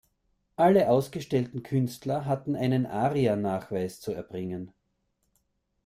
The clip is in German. Alle ausgestellten Künstler hatten einen Ariernachweis zu erbringen.